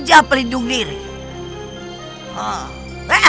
jadi sesuatu banyak spool climax darinya